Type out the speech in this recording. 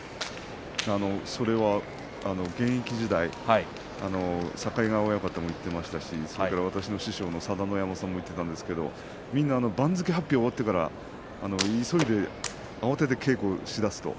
それは現役時代境川親方も言っていましたし私の師匠の佐田の山さんｍｏ言っていたんですがみんな番付発表が終わってから急いで慌てて稽古をし出すと。